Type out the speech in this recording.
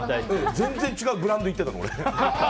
全然違うブランドに行ってた。